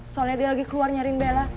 soalnya dia lagi keluar nyarim bella